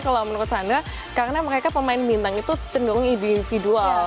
kalau menurut anda karena mereka pemain bintang itu cenderung individual